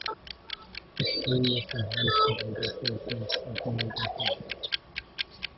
His fame was enhanced by the fortunes of the later kings.